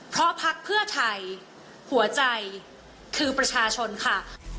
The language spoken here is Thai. เพราะพักเพื่อไทยหัวใจคือประชาชนค่ะ